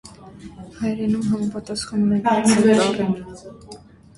Հայերենում համապատասխանում է «Ջ» տառին։